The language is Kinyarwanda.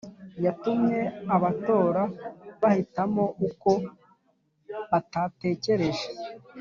Yatumye abatora bahitamo uko batatekereje